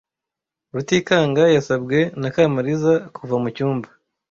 Rutikanga yasabwe na Kamariza kuva mucyumba.